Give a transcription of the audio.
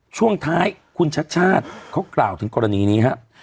ช่วงท้ายคุณชัดชาติเขากล่าวถึงกรณีนี้ครับ